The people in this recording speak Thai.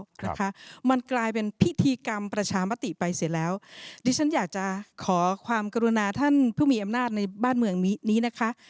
นะคะมันกลายเป็นพิธีกรรมประชามติไปเสร็จแล้วดิฉันอยากจะขอความกรุณาท่านผู้มีอำนาจในบ้านเมืองนี้นี้นะคะ